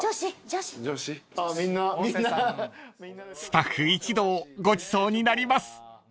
［スタッフ一同ごちそうになります］